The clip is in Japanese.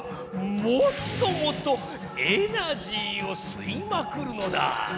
もっともっとエナジーをすいまくるのだ！